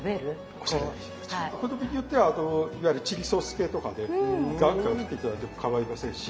お好みによってはいわゆるチリソース系とかねガンガン振って頂いてもかまいませんし。